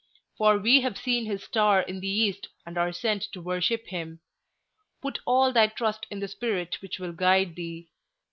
for we have seen his star in the East and are sent to worship him. Put all thy trust in the Spirit which will guide thee.